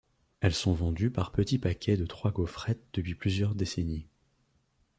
Elles sont vendues par petits paquets de trois gaufrettes depuis plusieurs décennies.